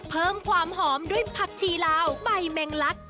เพิ่มความหอมด้วยผักชีลาวใบแมงลัด